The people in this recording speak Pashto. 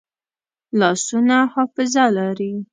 لاسونه حافظه لري